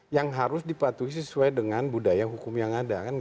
yang harus dipatuhi sesuai dengan budaya hukum yang ada